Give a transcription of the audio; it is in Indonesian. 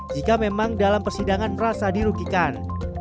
jika memang dalam persidangan merasa dirugikan